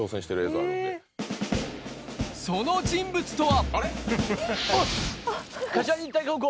その人物とは。